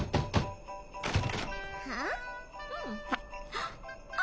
はあ？